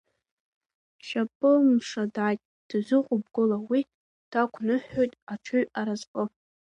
Шьапымшла дааит, дазыҟоуп гәыла, уи дақәныҳәоит аҽыҩ аразҟы.